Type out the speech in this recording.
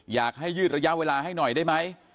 อยากให้ยืดระยะเวลาให้หน่อยได้ไหม